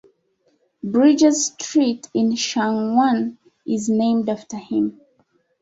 Bridges Street in Sheung Wan is named after him.